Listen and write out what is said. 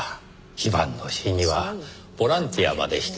非番の日にはボランティアまでして。